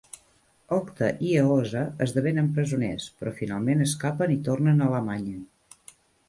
Octa i Eosa esdevenen presoners, però finalment escapen i tornen a Alemanya.